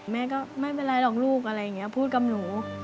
แม่ก็ไม่เป็นไรหรอกลูกอะไรอย่างนี้พูดกับหนู